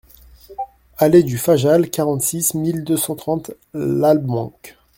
Allées du Fajal, quarante-six mille deux cent trente Lalbenque